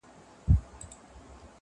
په رباب کي بم او زیر را سره خاندي,